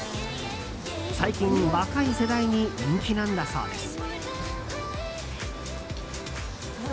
最近、若い世代に人気なんだそうです。